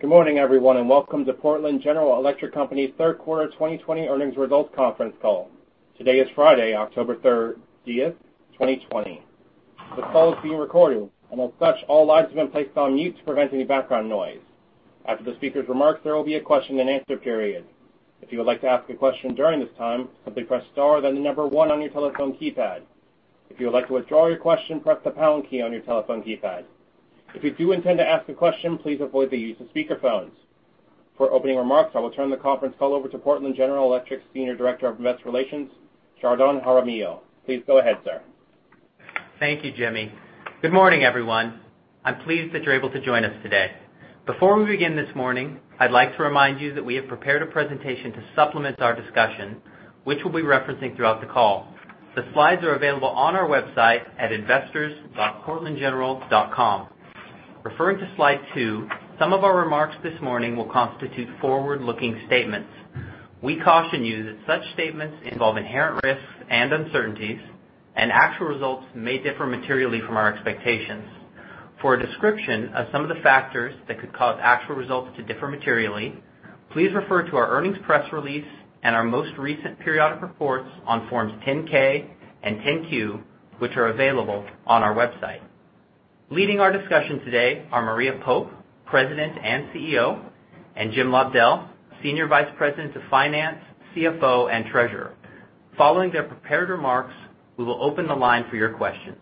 Good morning, everyone, and welcome to Portland General Electric Company's third quarter 2020 earnings results conference call. Today is Friday, October 30th, 2020. This call is being recorded, and as such, all lines have been placed on mute to prevent any background noise. After the speaker's remarks, there will be a question-and-answer period. If you would like to ask a question during this time, simply press star then the number one on your telephone keypad. If you would like to withdraw your question, press the pound key on your telephone keypad. If you do intend to ask a question, please avoid the use of speakerphones. For opening remarks, I will turn the conference call over to Portland General Electric's Senior Director of Investor Relations, Jardon Jaramillo. Please go ahead, sir. Thank you, Jimmy. Good morning, everyone. I'm pleased that you're able to join us today. Before we begin this morning, I'd like to remind you that we have prepared a presentation to supplement our discussion, which we'll be referencing throughout the call. The slides are available on our website at investors.portlandgeneral.com. Referring to slide two, some of our remarks this morning will constitute forward-looking statements. We caution you that such statements involve inherent risks and uncertainties, and actual results may differ materially from our expectations. For a description of some of the factors that could cause actual results to differ materially, please refer to our earnings press release and our most recent periodic reports on forms 10-K and 10-Q, which are available on our website. Leading our discussion today are Maria Pope, President and CEO, and Jim Lobdell, Senior Vice President of Finance, CFO, and Treasurer. Following their prepared remarks, we will open the line for your questions.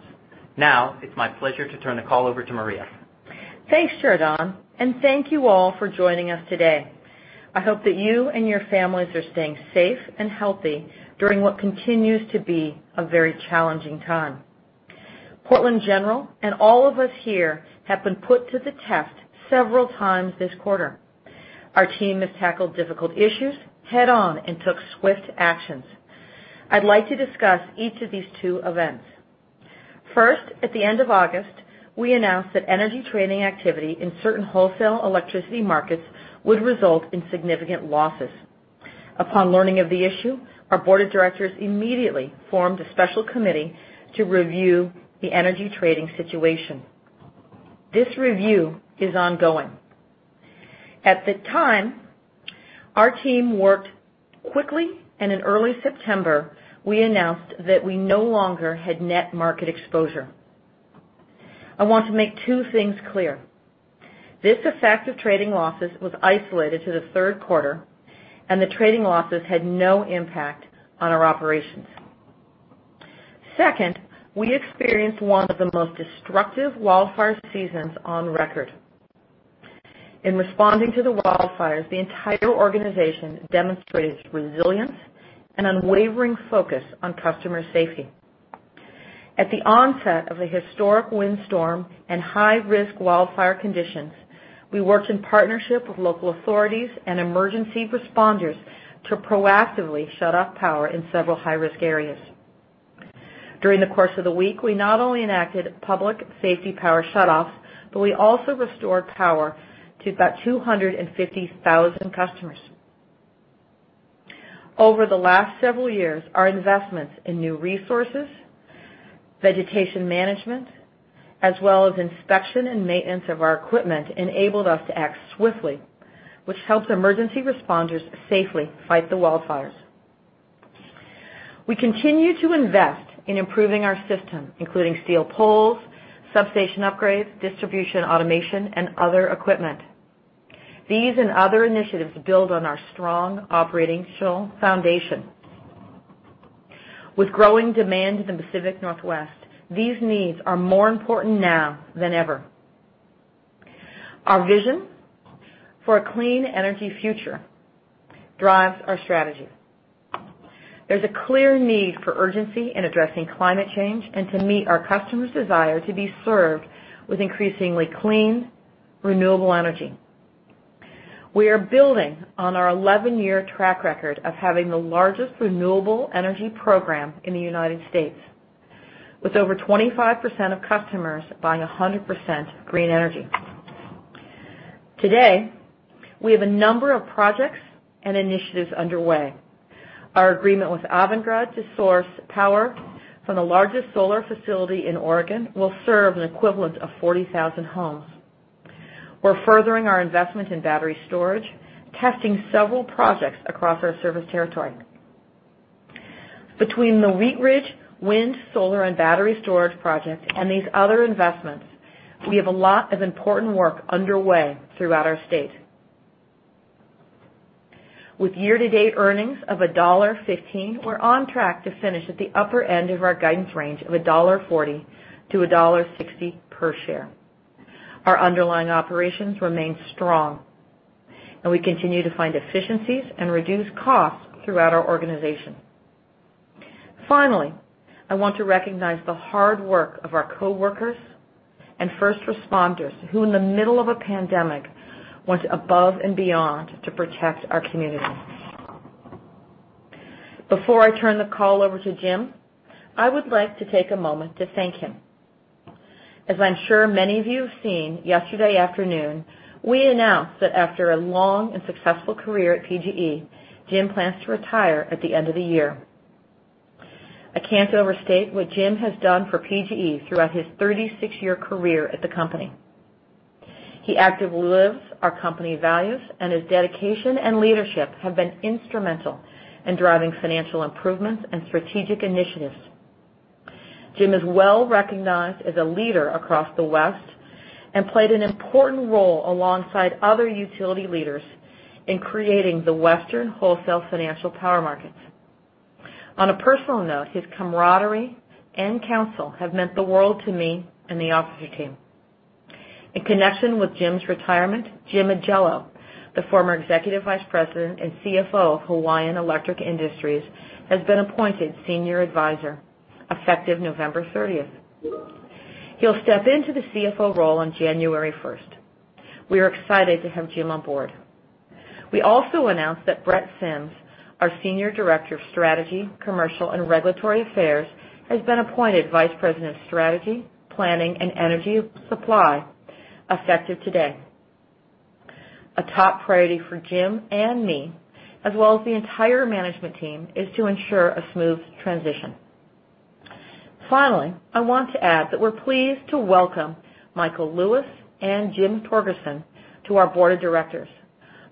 Now, it's my pleasure to turn the call over to Maria. Thanks, Jardon, and thank you all for joining us today. I hope that you and your families are staying safe and healthy during what continues to be a very challenging time. Portland General Electric and all of us here have been put to the test several times this quarter. Our team has tackled difficult issues head-on and took swift actions. I'd like to discuss each of these two events. First, at the end of August, we announced that energy trading activity in certain wholesale electricity markets would result in significant losses. Upon learning of the issue, our board of directors immediately formed a special committee to review the energy trading situation. This review is ongoing. At the time, our team worked quickly, and in early September, we announced that we no longer had net market exposure. I want to make two things clear. This effect of trading losses was isolated to the third quarter, and the trading losses had no impact on our operations. Second, we experienced one of the most destructive wildfire seasons on record. In responding to the wildfires, the entire organization demonstrated resilience and unwavering focus on customer safety. At the onset of a historic windstorm and high-risk wildfire conditions, we worked in partnership with local authorities and emergency responders to proactively shut off power in several high-risk areas. During the course of the week, we not only enacted public safety power shutoffs, but we also restored power to about 250,000 customers. Over the last several years, our investments in new resources, vegetation management, as well as inspection and maintenance of our equipment, enabled us to act swiftly, which helped emergency responders safely fight the wildfires. We continue to invest in improving our system, including steel poles, substation upgrades, distribution automation, and other equipment. These and other initiatives build on our strong operational foundation. With growing demand in the Pacific Northwest, these needs are more important now than ever. Our vision for a clean energy future drives our strategy. There's a clear need for urgency in addressing climate change and to meet our customers' desire to be served with increasingly clean, renewable energy. We are building on our 11-year track record of having the largest renewable energy program in the United States, with over 25% of customers buying 100% green energy. Today, we have a number of projects and initiatives underway. Our agreement with Avangrid to source power from the largest solar facility in Oregon will serve an equivalent of 40,000 homes. We're furthering our investment in battery storage, testing several projects across our service territory. Between the Wheatridge wind, solar, and battery storage project and these other investments, we have a lot of important work underway throughout our state. With year-to-date earnings of $1.15, we're on track to finish at the upper end of our guidance range of $1.40-$1.60 per share. Our underlying operations remain strong, and we continue to find efficiencies and reduce costs throughout our organization. Finally, I want to recognize the hard work of our coworkers and first responders who, in the middle of a pandemic, went above and beyond to protect our community. Before I turn the call over to Jim, I would like to take a moment to thank him. As I'm sure many of you have seen, yesterday afternoon, we announced that after a long and successful career at PGE, Jim plans to retire at the end of the year. I can't overstate what Jim has done for PGE throughout his 36-year career at the company. He actively lives our company values, and his dedication and leadership have been instrumental in driving financial improvements and strategic initiatives. Jim is well-recognized as a leader across the West and played an important role alongside other utility leaders in creating the western wholesale financial power markets. On a personal note, his camaraderie and counsel have meant the world to me and the officer team. In connection with Jim's retirement, Jim Ajello, the former Executive Vice President and CFO of Hawaiian Electric Industries, has been appointed Senior Advisor, effective November 30th. He'll step into the CFO role on January 1st. We are excited to have Jim on board. We also announced that Brett Sims, our Senior Director of Strategy, Commercial and Regulatory Affairs, has been appointed Vice President of Strategy, Planning, and Energy Supply effective today. A top priority for Jim and me, as well as the entire management team, is to ensure a smooth transition. Finally, I want to add that we're pleased to welcome Michael Lewis and Jim Torgerson to our board of directors.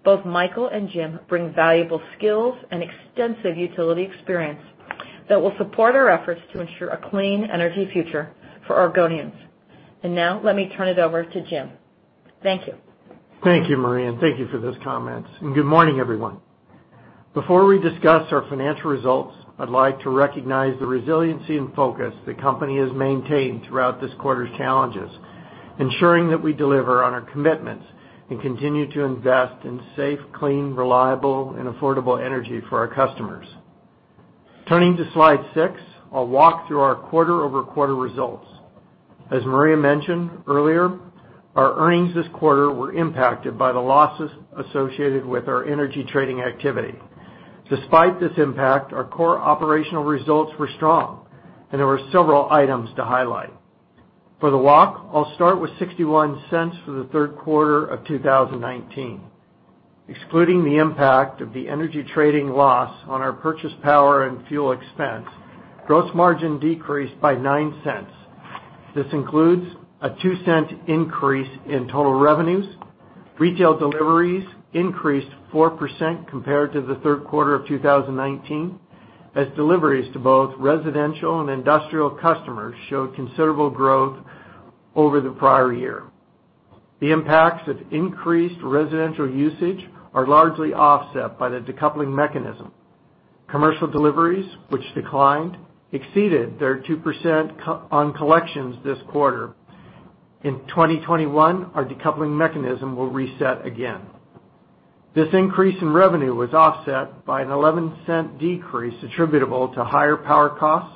Both Michael and Jim bring valuable skills and extensive utility experience that will support our efforts to ensure a clean energy future for Oregonians. Now let me turn it over to Jim. Thank you. Thank you, Maria, and thank you for those comments. Good morning, everyone. Before we discuss our financial results, I'd like to recognize the resiliency and focus the company has maintained throughout this quarter's challenges, ensuring that we deliver on our commitments and continue to invest in safe, clean, reliable, and affordable energy for our customers. Turning to slide six, I'll walk through our quarter-over-quarter results. As Maria mentioned earlier, our earnings this quarter were impacted by the losses associated with our energy trading activity. Despite this impact, our core operational results were strong, and there were several items to highlight. For the walk, I'll start with $0.61 for the third quarter of 2019. Excluding the impact of the energy trading loss on our purchase power and fuel expense, gross margin decreased by $0.09. This includes a $0.02 increase in total revenues. Retail deliveries increased 4% compared to the third quarter of 2019, as deliveries to both residential and industrial customers showed considerable growth over the prior year. The impacts of increased residential usage are largely offset by the decoupling mechanism. Commercial deliveries, which declined, exceeded their 2% on collections this quarter. In 2021, our decoupling mechanism will reset again. This increase in revenue was offset by a $0.11 decrease attributable to higher power costs,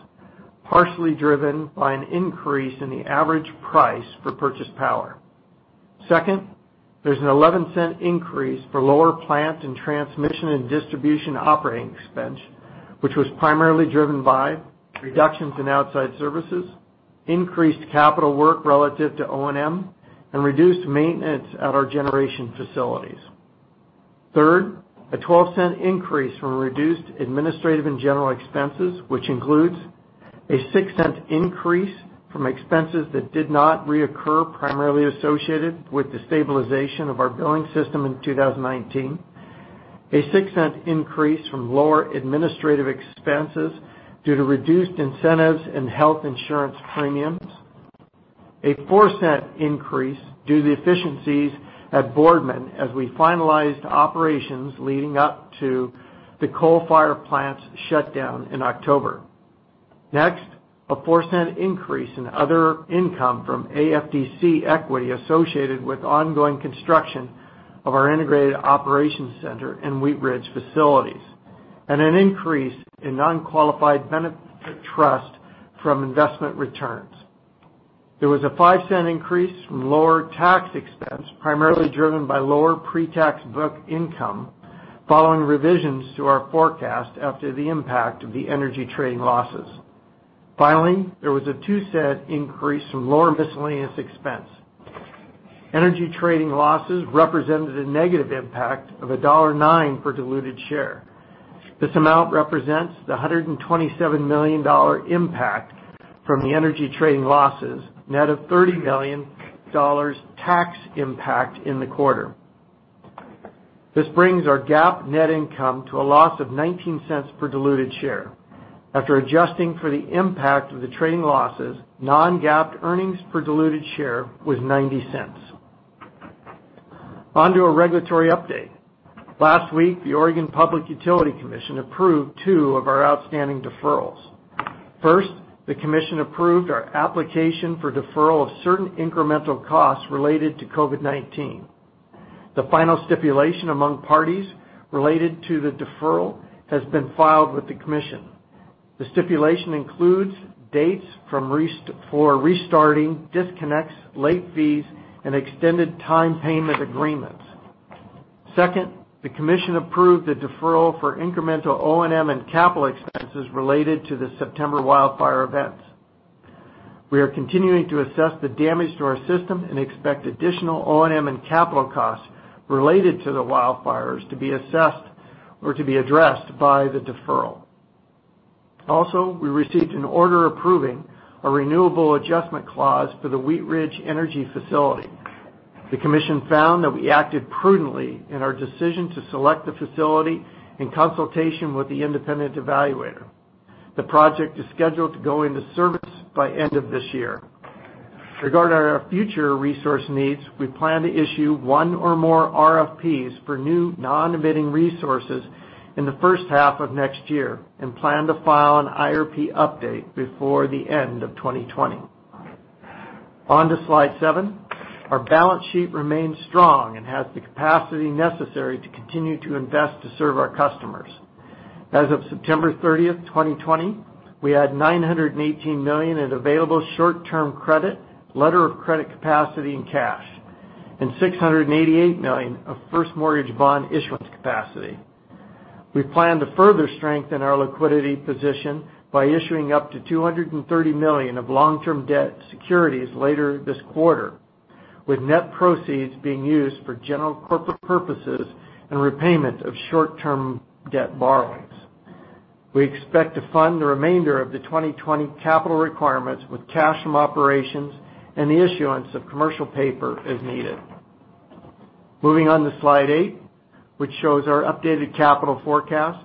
partially driven by an increase in the average price for purchased power. Second, there's a $0.11 increase for lower plant and transmission and distribution operating expense, which was primarily driven by reductions in outside services, increased capital work relative to O&M, and reduced maintenance at our generation facilities. Third, a $0.12 increase from reduced administrative and general expenses, which includes a $0.06 increase from expenses that did not reoccur, primarily associated with the stabilization of our billing system in 2019. A $0.06 increase from lower administrative expenses due to reduced incentives in health insurance premiums. A $0.04 increase due to efficiencies at Boardman as we finalized operations leading up to the coal-fired plant's shutdown in October. Next, a $0.04 increase in other income from AFDC equity associated with ongoing construction of our integrated operations center and Wheatridge facilities, and an increase in non-qualified benefit trust from investment returns. There was a $0.05 increase from lower tax expense, primarily driven by lower pre-tax book income following revisions to our forecast after the impact of the energy trading losses. Finally, there was a $0.02 increase from lower miscellaneous expenses. Energy trading losses represented a negative impact of $1.09 per diluted share. This amount represents the $127 million impact from the energy trading losses, net of $30 million tax impact in the quarter. This brings our GAAP net income to a loss of $0.19 per diluted share. After adjusting for the impact of the trading losses, non-GAAP earnings per diluted share was $0.90. On to a regulatory update. Last week, the Oregon Public Utility Commission approved two of our outstanding deferrals. First, the commission approved our application for deferral of certain incremental costs related to COVID-19. The final stipulation among parties related to the deferral has been filed with the commission. The stipulation includes dates for restarting disconnects, late fees, and extended time payment agreements. Second, the commission approved the deferral for incremental O&M and capital expenses related to the September wildfire events. We are continuing to assess the damage to our system and expect additional O&M and capital costs related to the wildfires to be assessed or to be addressed by the deferral. We received an order approving a renewable adjustment clause for the Wheatridge Renewable Energy Facility. The commission found that we acted prudently in our decision to select the facility in consultation with the independent evaluator. The project is scheduled to go into service by end of this year. Regarding our future resource needs, we plan to issue one or more RFPs for new non-emitting resources in the first half of next year and plan to file an IRP update before the end of 2020. On to slide seven. Our balance sheet remains strong and has the capacity necessary to continue to invest to serve our customers. As of September 30th, 2020, we had $918 million in available short-term credit, letter of credit capacity, and cash, and $688 million of first mortgage bond issuance capacity. We plan to further strengthen our liquidity position by issuing up to $230 million of long-term debt securities later this quarter, with net proceeds being used for general corporate purposes and repayment of short-term debt borrowings. We expect to fund the remainder of the 2020 capital requirements with cash from operations and the issuance of commercial paper as needed. Moving on to slide eight, which shows our updated capital forecast.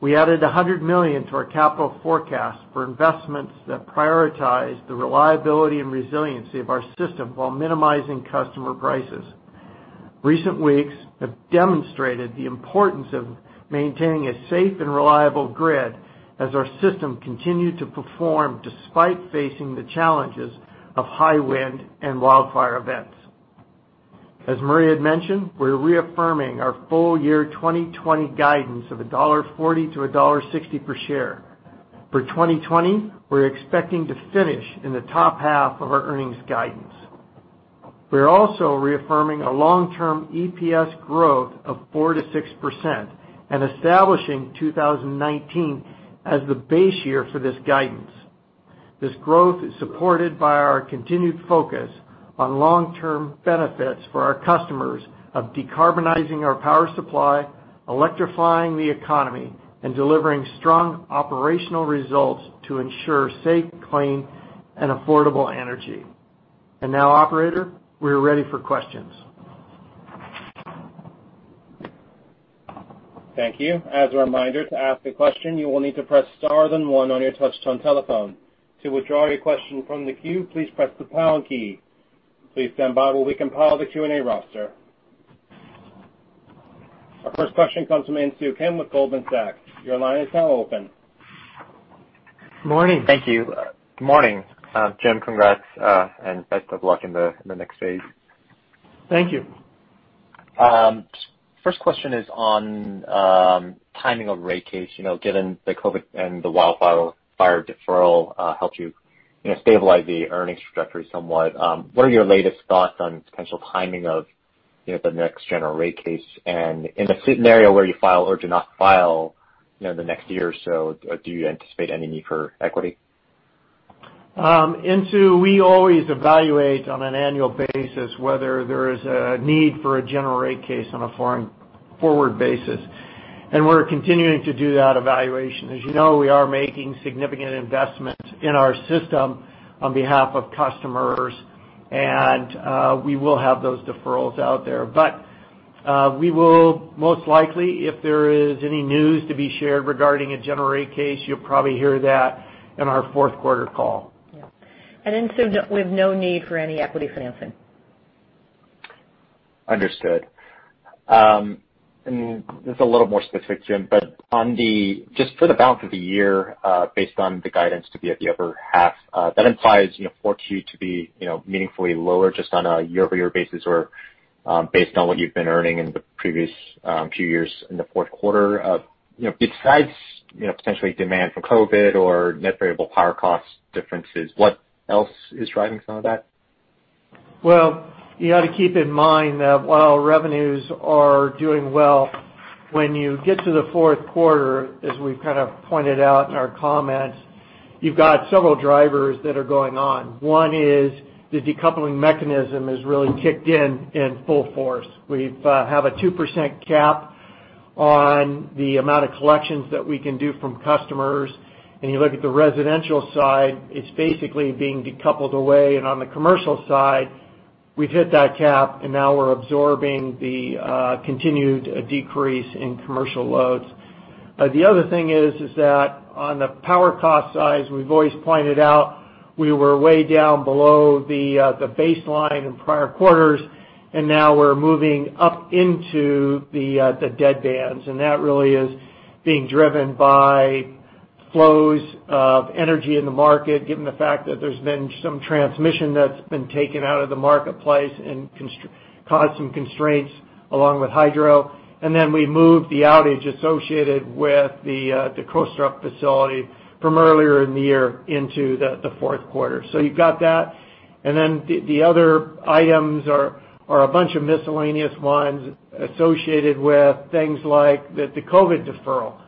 We added $100 million to our capital forecast for investments that prioritize the reliability and resiliency of our system while minimizing customer prices. Recent weeks have demonstrated the importance of maintaining a safe and reliable grid as our system continued to perform despite facing the challenges of high wind and wildfire events. As Maria had mentioned, we're reaffirming our full year 2020 guidance of $1.40-$1.60 per share. For 2020, we're expecting to finish in the top half of our earnings guidance. We're also reaffirming a long-term EPS growth of 4%-6% and establishing 2019 as the base year for this guidance. This growth is supported by our continued focus on long-term benefits for our customers of decarbonizing our power supply, electrifying the economy, and delivering strong operational results to ensure safe, clean, and affordable energy. Now, operator, we are ready for questions. Thank you. As a reminder, to ask a question, you will need to press star, then one on your touchtone telephone. To withdraw your question from the queue, please press the pound key. Please stand by while we compile the Q&A roster. Our first question comes from Insoo Kim with Goldman Sachs. Your line is now open. Morning. Thank you. Good morning. Jim, congrats, and best of luck in the next phase. Thank you. First question is on timing of rate case. Given the COVID and the wildfire deferral helped you stabilize the earnings trajectory somewhat, what are your latest thoughts on the potential timing of the next general rate case? In the scenario where you file or do not file in the next year or so, do you anticipate any need for equity? Insoo, we always evaluate on an annual basis whether there is a need for a general rate case on a forward basis, and we're continuing to do that evaluation. As you know, we are making significant investments in our system on behalf of customers, and we will have those deferrals out there. We will most likely, if there is any news to be shared regarding a general rate case, you'll probably hear that in our fourth quarter call. Yeah. Insoo, we have no need for any equity financing. Understood. This is a little more specific, Jim, but just for the balance of the year, based on the guidance to be at the upper half, that implies 4Q to be meaningfully lower just on a year-over-year basis or based on what you've been earning in the previous few years in the fourth quarter. Besides potential demand for COVID or net variable power cost differences, what else is driving some of that? You ought to keep in mind that while revenues are doing well, when you get to the fourth quarter, as we've kind of pointed out in our comments, you've got several drivers that are going on. One is the decoupling mechanism has really kicked in in full force. We have a 2% cap on the amount of collections that we can do from customers. When you look at the residential side, it's basically being decoupled away. On the commercial side, we've hit that cap, and now we're absorbing the continued decrease in commercial loads. The other thing is that on the power cost side, as we've always pointed out, we were way down below the baseline in prior quarters, and now we're moving up into the dead bands. That really is being driven by flows of energy in the market, given the fact that there's been some transmission that's been taken out of the marketplace and caused some constraints along with hydro. We moved the outage associated with the Coyote Springs facility from earlier in the year into the fourth quarter. You've got that. The other items are a bunch of miscellaneous ones associated with things like the COVID deferral.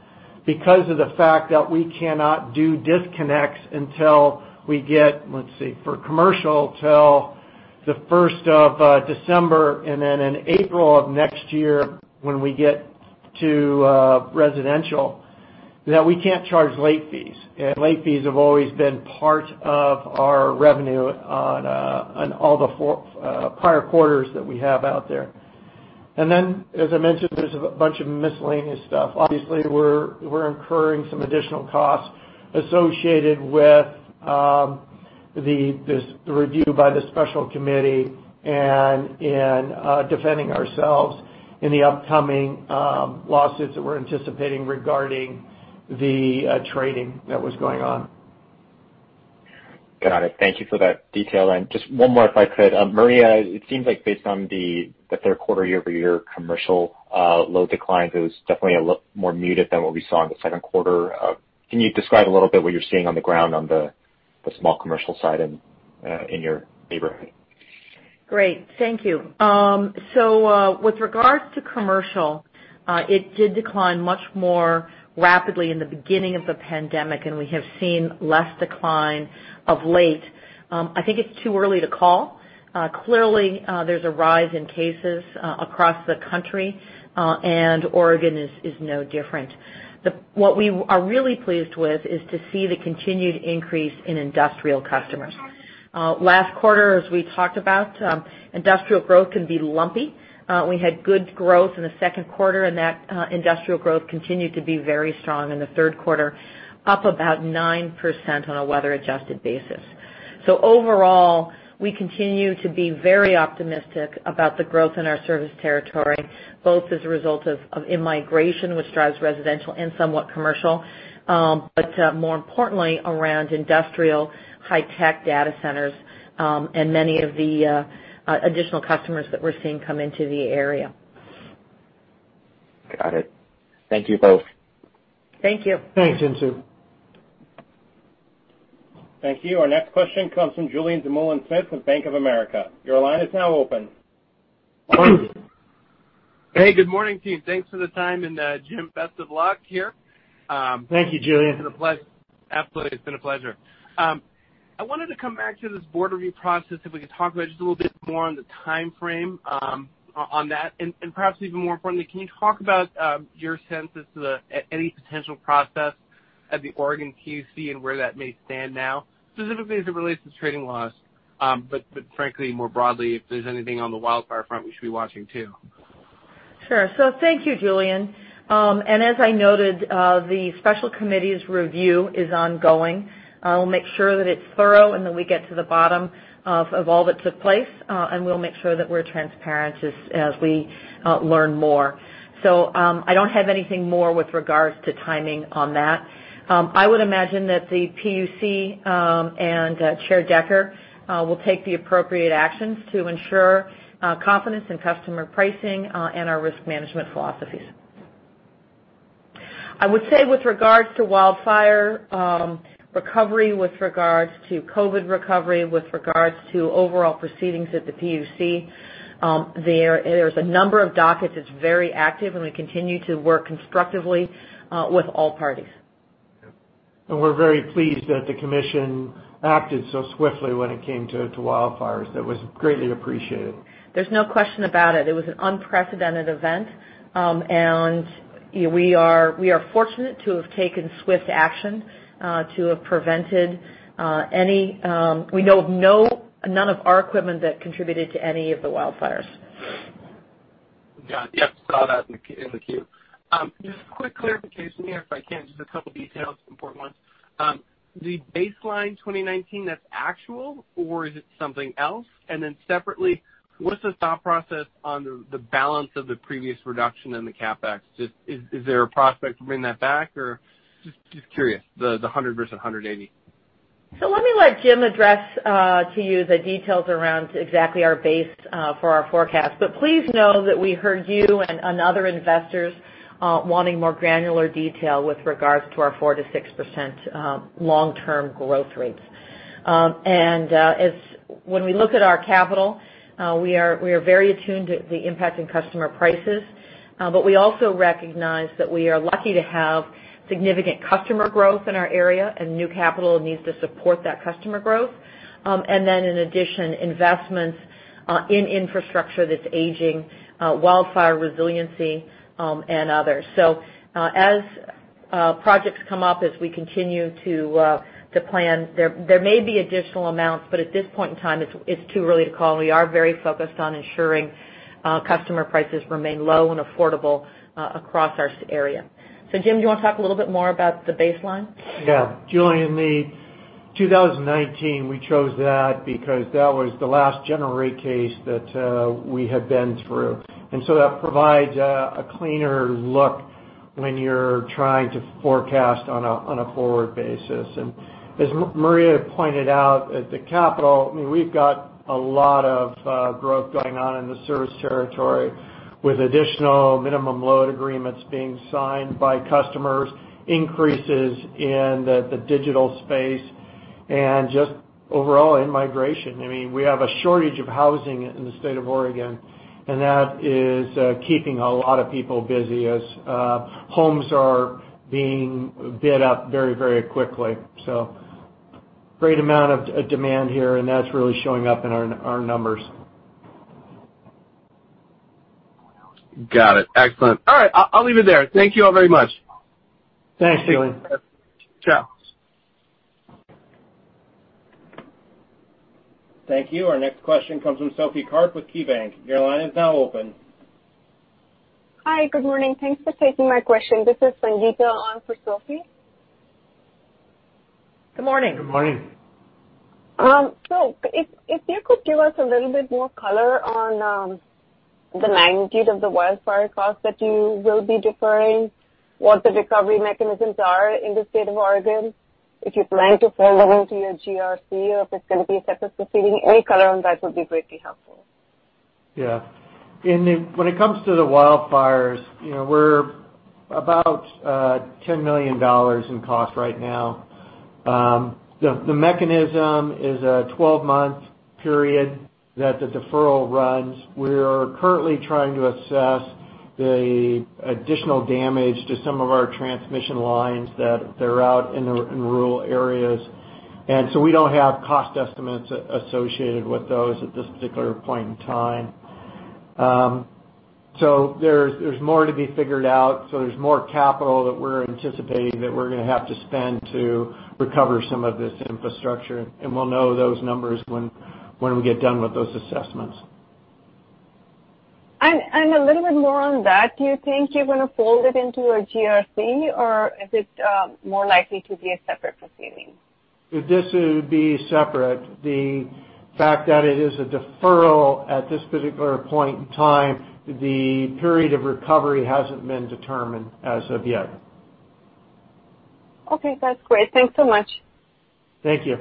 Because of the fact that we cannot do disconnects until we get, let's see, for commercial, till the first of December, and then in April of next year, when we get to residential, that we can't charge late fees. Late fees have always been part of our revenue on all the prior quarters that we have out there. As I mentioned, there's a bunch of miscellaneous stuff. Obviously, we're incurring some additional costs associated with the review by the special committee and in defending ourselves in the upcoming lawsuits that we're anticipating regarding the trading that was going on. Got it. Thank you for that detail. Just one more, if I could. Maria, it seems like based on the third quarter year-over-year commercial load declines, it was definitely a lot more muted than what we saw in the second quarter. Can you describe a little bit what you're seeing on the ground on the small commercial side in your neighborhood? Great. Thank you. With regards to commercial, it did decline much more rapidly in the beginning of the pandemic, and we have seen less decline of late. I think it's too early to call. Clearly, there's a rise in cases across the country, and Oregon is no different. What we are really pleased with is to see the continued increase in industrial customers. Last quarter, as we talked about, industrial growth can be lumpy. We had good growth in the second quarter, and that industrial growth continued to be very strong in the third quarter, up about 9% on a weather-adjusted basis. Overall, we continue to be very optimistic about the growth in our service territory, both as a result of in-migration, which drives residential and somewhat commercial, but more importantly, around industrial, high-tech data centers, and many of the additional customers that we're seeing come into the area. Got it. Thank you both. Thank you. Thanks, Insoo. Thank you. Our next question comes from Julien Dumoulin-Smith with Bank of America. Your line is now open. Hey, good morning, team. Thanks for the time, and Jim, best of luck here. Thank you, Julien. Absolutely. It's been a pleasure. I wanted to come back to this board review process if we could talk about just a little bit more on the timeframe on that. Perhaps even more importantly, can you talk about your sense as to any potential process at the Oregon PUC and where that may stand now? Specifically as it relates to trading losses, but frankly, more broadly, if there's anything on the wildfire front we should be watching, too. Sure. Thank you, Julien. As I noted, the special committee's review is ongoing. We'll make sure that it's thorough and that we get to the bottom of all that took place, and we'll make sure that we're transparent as we learn more. I don't have anything more with regard to timing on that. I would imagine that the PUC and Chair Decker will take the appropriate actions to ensure confidence in customer pricing and our risk management philosophies. I would say with regards to wildfire recovery, with regards to COVID recovery, with regards to overall proceedings at the PUC, there's a number of dockets. It's very active; we continue to work constructively with all parties. We're very pleased that the Commission acted so swiftly when it came to wildfires. That was greatly appreciated. There's no question about it. It was an unprecedented event. We are fortunate to have taken swift action. We know of none of our equipment that contributed to any of the wildfires. Saw that in the 10-Q. Just a quick clarification here, if I can, just a couple of details, important ones. The baseline 2019, that's actual or is it something else? Separately, what's the thought process on the balance of the previous reduction in the CapEx? Is there a prospect to bring that back? Just curious, the 100 versus 180. Let me let Jim address to you the details around exactly our base for our forecast. Please know that we heard you and other investors wanting more granular detail with regards to our 4%-6% long-term growth rates. When we look at our capital, we are very attuned to the impact in customer prices. We also recognize that we are lucky to have significant customer growth in our area and new capital needs to support that customer growth. In addition, investments in infrastructure that's aging, wildfire resiliency, and others. As projects come up, as we continue to plan, there may be additional amounts, but at this point in time, it's too early to call. We are very focused on ensuring customer prices remain low and affordable across our area. Jim, do you want to talk a little bit more about the baseline? Yeah. Julien, the 2019, we chose that because that was the last general rate case that we had been through. That provides a cleaner look when you're trying to forecast on a forward basis. As Maria pointed out, at the capital, we've got a lot of growth going on in the service territory with additional minimum load agreements being signed by customers, increases in the digital space, and just overall in migration. We have a shortage of housing in the state of Oregon, and that is keeping a lot of people busy as homes are being bid up very quickly. Great amount of demand here, and that's really showing up in our numbers. Got it. Excellent. All right, I'll leave it there. Thank you all very much. Thanks, Julien. Ciao. Thank you. Our next question comes from Sophie Karp with KeyBanc. Your line is now open. Hi. Good morning. Thanks for taking my question. This is Sangita on for Sophie. Good morning. Good morning. If you could give us a little bit more color on the magnitude of the wildfire cost that you will be deferring, what the recovery mechanisms are in the state of Oregon, if you plan to fold them into your GRC, or if it's going to be a separate proceeding. Any color on that would be greatly helpful. Yeah. When it comes to the wildfires, we're about $10 million in cost right now. The mechanism is a 12-month period that the deferral runs. We're currently trying to assess the additional damage to some of our transmission lines that are out in rural areas. We don't have cost estimates associated with those at this particular point in time. There's more to be figured out. There's more capital that we're anticipating that we're going to have to spend to recover some of this infrastructure, and we'll know those numbers when we get done with those assessments. A little bit more on that: do you think you're going to fold it into a GRC, or is it more likely to be a separate proceeding? This would be separate. The fact that it is a deferral at this particular point in time, the period of recovery hasn't been determined as of yet. Okay, that's great. Thanks so much. Thank you.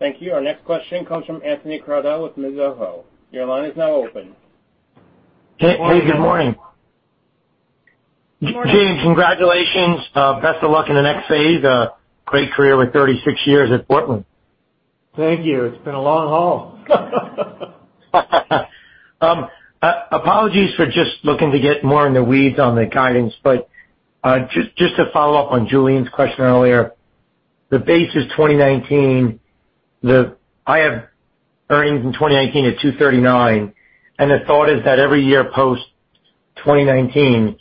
Thank you. Our next question comes from Anthony Crowdell with Mizuho. Your line is now open. Hey, good morning. Good morning. Jim, congratulations. Best of luck in the next phase. Great career with 36 years at Portland. Thank you. It's been a long haul. Apologies for just looking to get more in the weeds on the guidance; just to follow up on Julien's question earlier, the base is 2019. I have earnings in 2019 at $2.39; the thought is that every year post-2019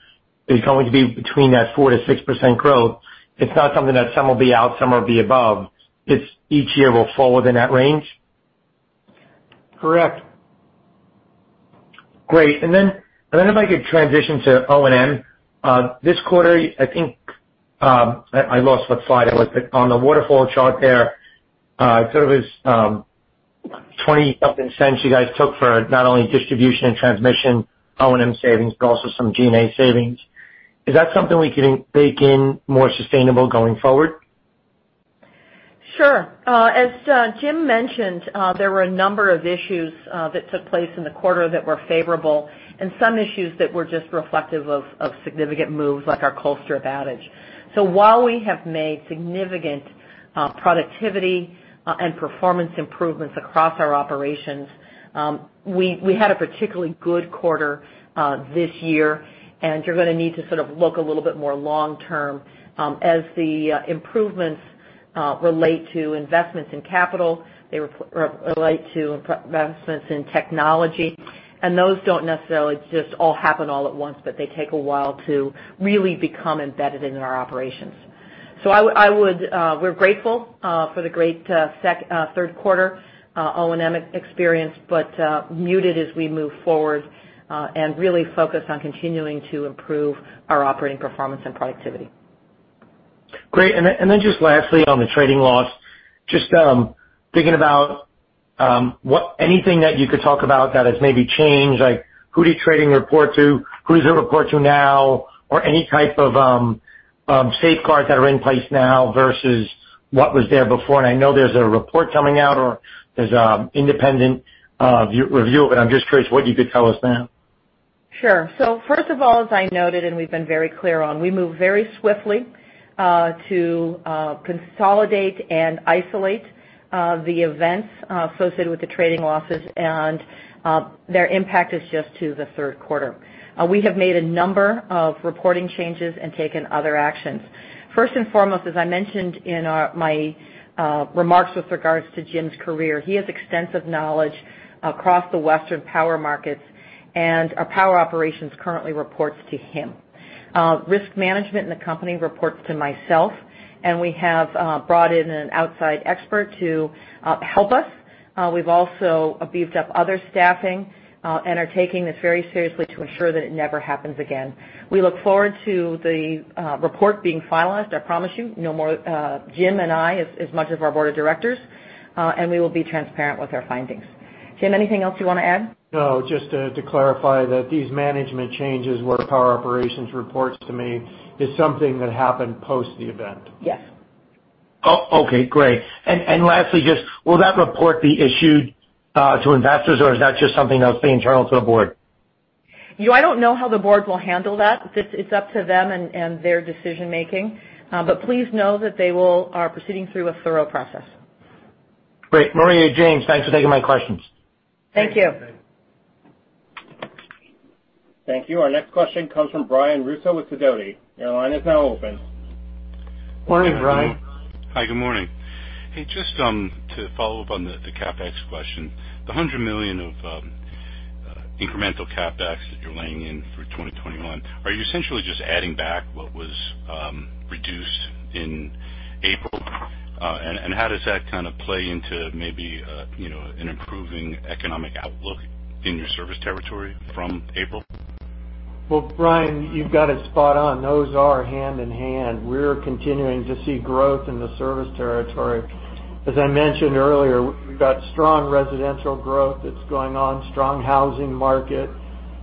is going to be between that 4%-6% growth. It's not something that some will be out, some will be above. It's each year will fall within that range. Correct. Great. If I could transition to O&M. This quarter, I think I lost what slide it was, but on the waterfall chart there was $0.20-something you guys took for not only distribution and transmission, O&M savings, but also some G&A savings. Is that something we can bake in more sustainable going forward? Sure. As Jim mentioned, there were a number of issues that took place in the quarter that were favorable and some issues that were just reflective of significant moves like our Colstrip outage. While we have made significant productivity and performance improvements across our operations, we had a particularly good quarter this year, and you're going to need to sort of look a little bit more long-term as the improvements relate to investments in capital, they relate to investments in technology, and those don't necessarily just all happen all at once, but they take a while to really become embedded in our operations. We're grateful for the great third quarter O&M experience, but muted as we move forward, and really focused on continuing to improve our operating performance and productivity. Great. Then just lastly on the trading loss, just thinking about anything that you could talk about that has maybe changed, like who did trading report to, who does it report to now, or any type of safeguards that are in place now versus what was there before? I know there's a report coming out or there's an independent review of it. I'm just curious what you could tell us now. Sure. First of all, as I noted, and we've been very clear on, we moved very swiftly to consolidate and isolate the events associated with the trading losses, and their impact is just to the third quarter. We have made a number of reporting changes and taken other actions. First and foremost, as I mentioned in my remarks with regards to Jim's career, he has extensive knowledge across the western power markets, and our power operations currently report to him. Risk management in the company reports to myself, and we have brought in an outside expert to help us. We've also beefed up other staffing and are taking this very seriously to ensure that it never happens again. We look forward to the report being finalized. I promise you, no more Jim and I as much of our board of directors, and we will be transparent with our findings. Jim, anything else you want to add? No, just to clarify that these management changes where power operations reports to me is something that happened post the event. Yes. Okay, great. Lastly, will that report be issued to investors, or is that just something that will stay internal to the board? I don't know how the board will handle that. It's up to them and their decision-making. Please know that they are proceeding through a thorough process. Great. Maria, Jim, thanks for taking my questions. Thank you. Thank you. Our next question comes from Brian Russo with Sidoti. Morning, Brian. Hi, good morning. Hey, just to follow up on the CapEx question. The $100 million of incremental CapEx that you're laying in through 2021, are you essentially just adding back what was reduced in April? How does that play into maybe an improving economic outlook in your service territory from April? Well, Brian, you've got it spot on. Those are hand in hand. We're continuing to see growth in the service territory. As I mentioned earlier, we've got strong residential growth that's going on, strong housing market,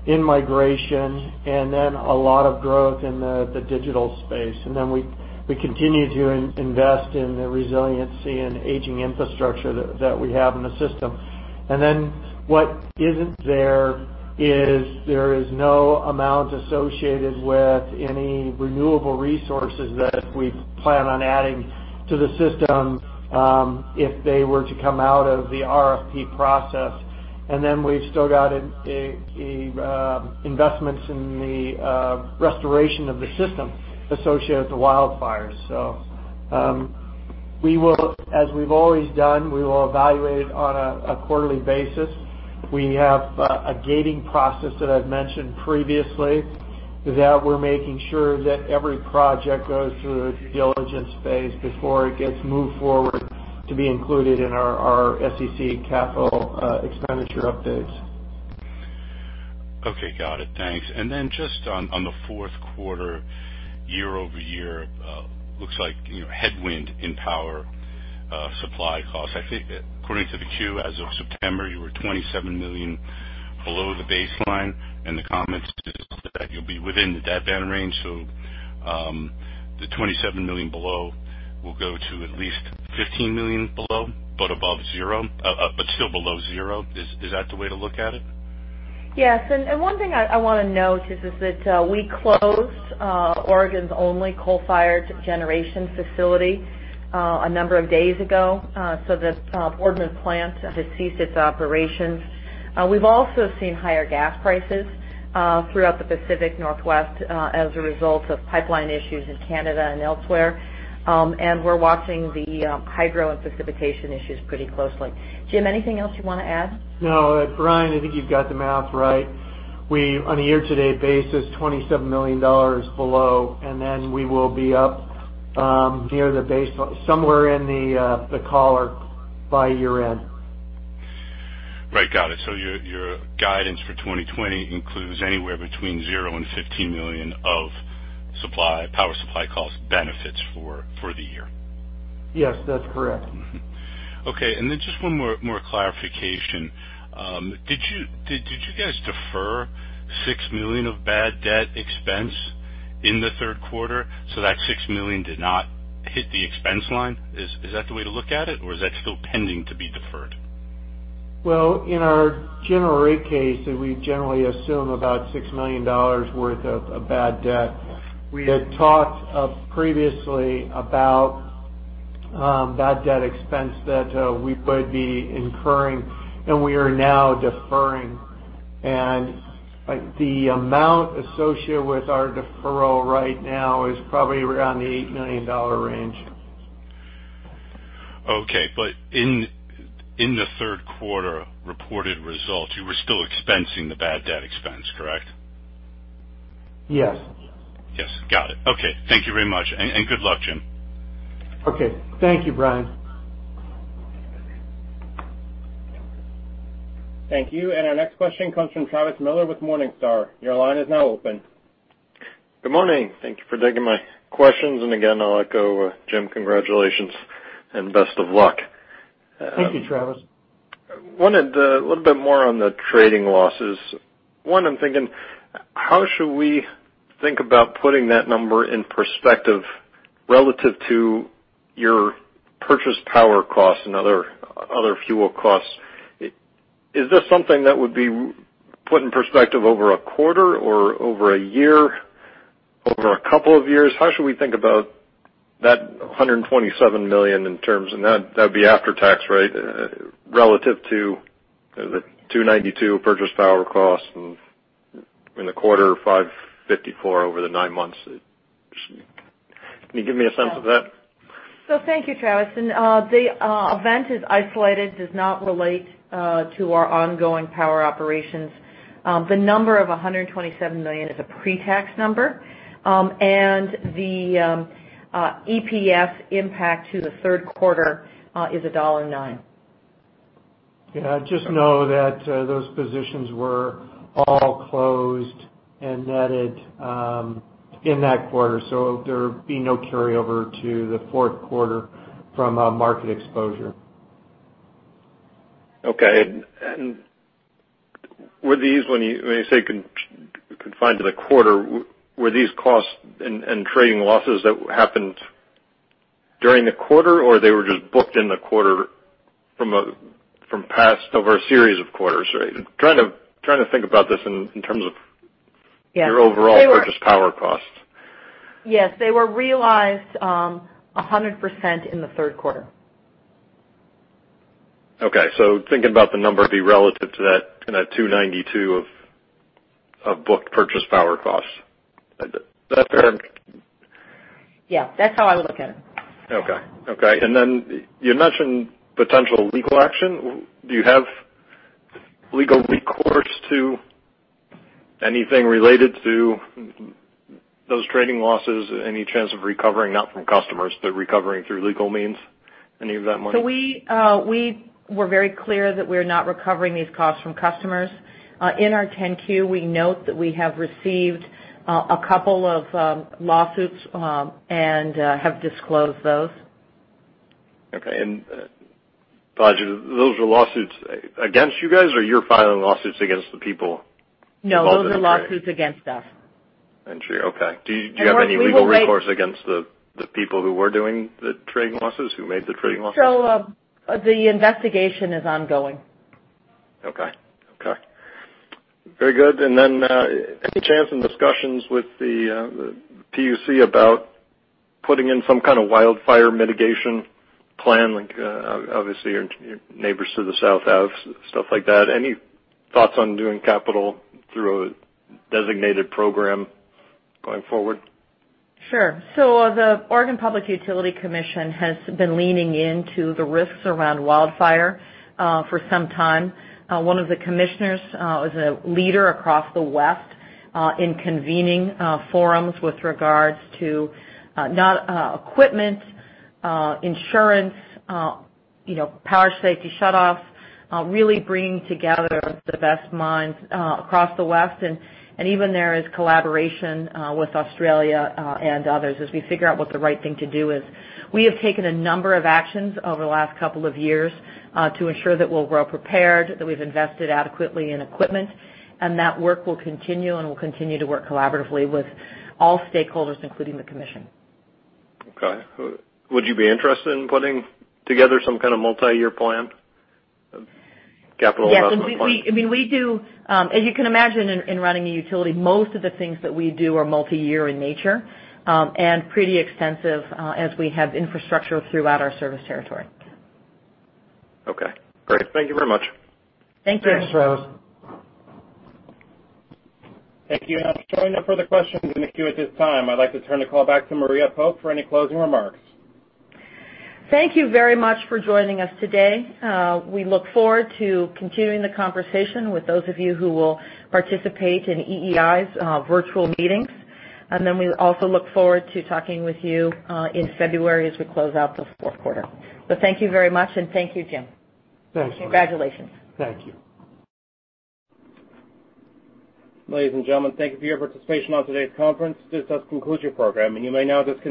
in-migration, and then a lot of growth in the digital space. We continue to invest in the resiliency and aging infrastructure that we have in the system. What isn't there is, there is no amount associated with any renewable resources that we plan on adding to the system if they were to come out of the RFP process. We've still got investments in the restoration of the system associated with the wildfires. As we've always done, we will evaluate on a quarterly basis. We have a gating process that I've mentioned previously, that we're making sure that every project goes through a due diligence phase before it gets moved forward to be included in our SEC capital expenditure updates. Okay, got it. Thanks. Then just on the fourth quarter, year-over-year, it looks like headwind in power supply costs. I think according to the Q, as of September, you were $27 million below the baseline, and the comment is that you'll be within the deadband range. The $27 million below will go to at least $15 million below, but still below zero. Is that the way to look at it? Yes. One thing I want to note is that we closed Oregon's only coal-fired generation facility a number of days ago. The Boardman plant has ceased its operations. We've also seen higher gas prices throughout the Pacific Northwest as a result of pipeline issues in Canada and elsewhere. We're watching the hydro and precipitation issues pretty closely. Jim, anything else you want to add? No. Brian, I think you've got the math right. We, on a year-to-date basis, $27 million below, and then we will be up near the base, somewhere in the collar by year-end. Right. Got it. Your guidance for 2020 includes anywhere between $0 and $15 million of power supply cost benefits for the year. Yes, that's correct. Okay, just one more clarification. Did you guys defer $6 million of bad debt expense in the third quarter so that $6 million did not hit the expense line? Is that the way to look at it, or is that still pending to be deferred? Well, in our general rate case, we generally assume about $6 million worth of bad debt. We had talked previously about bad debt expense that we would be incurring, and we are now deferring. The amount associated with our deferral right now is probably around the $8 million range. Okay. In the third quarter reported results, you were still expensing the bad debt expense, correct? Yes. Yes, got it. Okay. Thank you very much. Good luck, Jim. Okay. Thank you, Brian. Thank you. Our next question comes from Travis Miller with Morningstar. Your line is now open. Good morning. Thank you for taking my questions. Again, I'll echo Jim: congratulations and best of luck. Thank you, Travis. Wanted a little bit more on the trading losses. One, I'm thinking, how should we think about putting that number in perspective relative to your purchase power costs and other fuel costs? Is this something that would be put in perspective over a quarter or over a year, over a couple of years? How should we think about that $127 million? And that'd be after tax, right? Relative to the $292 purchase power cost in the quarter, $554 over the nine months. Can you give me a sense of that? Thank you, Travis. The event is isolated, does not relate to our ongoing power operations. The number of $127 million is a pre-tax number. The EPS impact to the third quarter is $1.09. Yeah, just know that those positions were all closed and netted in that quarter, so there'll be no carryover to the fourth quarter from a market exposure. Okay. When you say confined to the quarter, were these costs and trading losses that happened during the quarter, or they were just booked in the quarter from past over a series of quarters, right? Yes Your overall purchase power costs. They were realized 100% in the third quarter. Okay. Thinking about the number be relative to that $292 of booked purchase power costs. Is that fair? Yeah. That's how I look at it. Okay. Then you mentioned potential legal action. Do you have legal recourse to anything related to those trading losses? Any chance of recovering, not from customers, but recovering through legal means, any of that money? We were very clear that we're not recovering these costs from customers. In our 10-Q, we note that we have received a couple of lawsuits and have disclosed those. Okay. Apologize, those are lawsuits against you guys, or you're filing lawsuits against the people? No. Involved in the trade. Those are lawsuits against us. I see. Okay. Mark, we will wait. Do you have any legal recourse against the people who were doing the trading losses, who made the trading losses? The investigation is ongoing. Okay. Very good. Any chance in discussions with the PUC about putting in some kind of wildfire mitigation plan? Like, obviously, your neighbors to the south have stuff like that. Any thoughts on doing capital through a designated program going forward? Sure. The Oregon Public Utility Commission has been leaning into the risks around wildfire for some time. One of the commissioners is a leader across the West in convening forums with regards to equipment, insurance, public safety power shutoffs, really bringing together the best minds across the West. Even there is collaboration with Australia and others as we figure out what the right thing to do is. We have taken a number of actions over the last couple of years to ensure that we're well-prepared, that we've invested adequately in equipment, and that work will continue, and we'll continue to work collaboratively with all stakeholders, including the commission. Okay. Would you be interested in putting together some kind of multiyear plan of capital investment plan? As you can imagine in running a utility, most of the things that we do are multiyear in nature, and pretty extensive, as we have infrastructure throughout our service territory. Okay, great. Thank you very much. Thank you. Thanks, Rose. Thank you. I'm showing no further questions in the queue at this time. I'd like to turn the call back to Maria Pope for any closing remarks. Thank you very much for joining us today. We look forward to continuing the conversation with those of you who will participate in EEI's virtual meetings. We also look forward to talking with you in February as we close out the fourth quarter. Thank you very much, and thank you, Jim. Thanks, Maria. Congratulations. Thank you. Ladies and gentlemen, thank you for your participation on today's conference. This does conclude your program, and you may now disconnect.